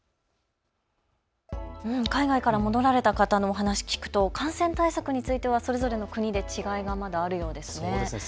海外から戻られた方のお話、聞くと感染対策についてはそれぞれの国で違いがまだあるようですね。